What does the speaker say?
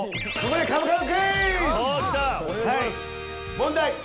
問題